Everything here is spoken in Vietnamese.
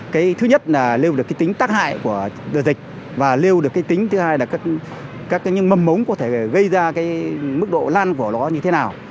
cái thứ nhất là lưu được cái tính tác hại của đợt dịch và lưu được cái tính thứ hai là các cái mầm mống có thể gây ra cái mức độ lan của nó như thế nào